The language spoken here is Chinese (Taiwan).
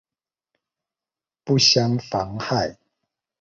不相妨害